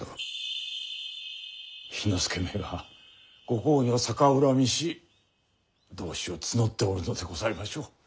氷ノ介めがご公儀を逆恨みし同志を募っておるのでございましょう。